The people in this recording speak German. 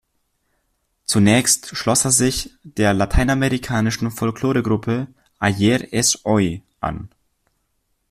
Zunächst schloss er sich der lateinamerikanischen Folkloregruppe "Ayer es Hoy" an.